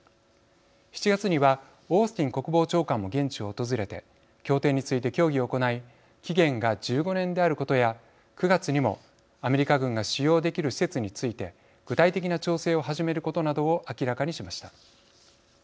７月にはオースティン国防長官も現地を訪れて協定について協議を行い期限が１５年であることや９月にもアメリカ軍が使用できる施設について具体的な調整を始めることなどを明らかにしました。